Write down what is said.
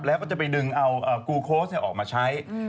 แล้วก็จะไปดึงเอากูโค้ชออกมาใช้